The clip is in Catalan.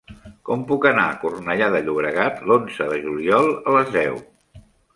Com puc anar a Cornellà de Llobregat l'onze de juliol a les deu?